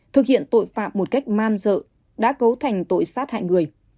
thực hiện tội phạm một cách man dợ đã cấu thành tội sát hại người